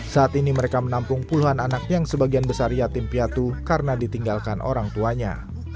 saat ini mereka menampung puluhan anak yang sebagian besar yatim piatu karena ditinggalkan orang tuanya